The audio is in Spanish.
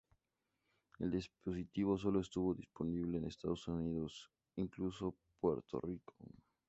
El dispositivo sólo estuvo disponible en Estados Unidos incluido Puerto Rico.